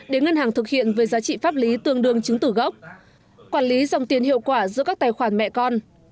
để ngân hàng thực hiện với giá trị pháp lý tương đương chứng tử gốc quản lý dòng tiền hiệu quả giữa các tài khoản mẹ con